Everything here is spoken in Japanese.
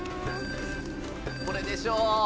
これでしょう。